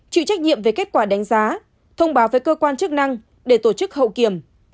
chịu trách nhiệm về kết quả đánh giá thông báo với cơ quan chức năng để tổ chức hậu kiểm